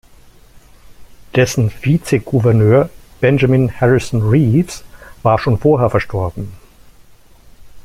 Dessen Vizegouverneur Benjamin Harrison Reeves war schon vorher verstorben.